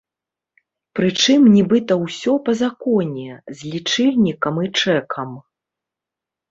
Прычым нібыта ўсё па законе, з лічыльнікам і чэкам!